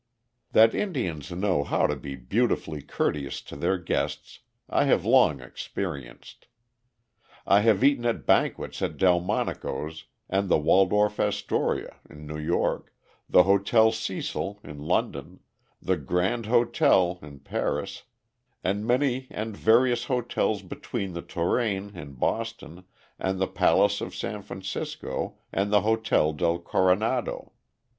That Indians know how to be beautifully courteous to their guests, I have long experienced. I have eaten at banquets at Delmonico's and the Waldorf Astoria (New York), the Hotel Cecil (London), the Grand Hotel (Paris), and many and various hotels between the Touraine (Boston) and the Palace of San Francisco and the Hotel del Coronado.